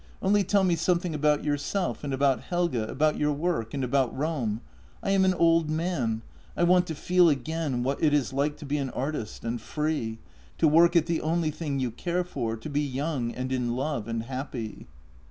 Only tell me something about yourself and about Helge, about your work — and about Rome. I am an old man. I want to feel again what it is like to be an artist — and free. To work at the only thing you care for — to be young — and in love — and happy."